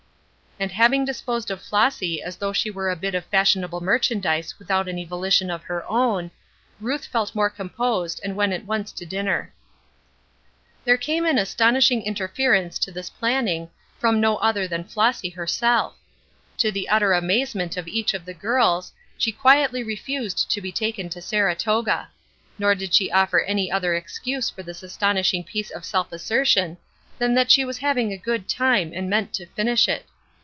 And having disposed of Flossy as though she were a bit of fashionable merchandise without any volition of her own, Ruth felt more composed and went at once to dinner. There came an astonishing interference to this planning, from no other than Flossy herself. To the utter amazement of each of the girls, she quietly refused to be taken to Saratoga; nor did she offer any other excuse for this astonishing piece of self assertion than that she was having a good time and meant to finish it.